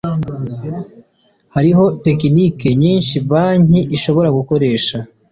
hariho tekinike nyinshi banki ishobora gukoresha